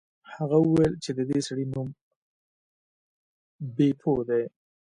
هغه وویل چې د دې سړي نوم بیپو دی.